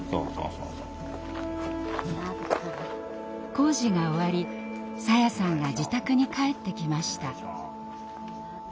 工事が終わりさやさんが自宅に帰ってきました。